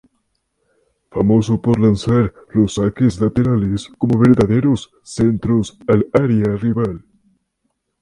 Famoso por lanzar los saques laterales como verdaderos centros al área rival.